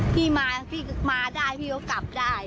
พี่มาได้พี่ก็กลับได้